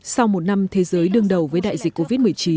sau một năm thế giới đương đầu với đại dịch covid một mươi chín